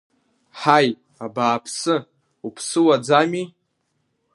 Ҳаи, абааԥсы, уаԥсыуаӡами!